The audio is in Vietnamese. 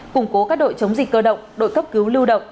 củng cố các đội chống dịch cơ động đội cấp cứu lưu động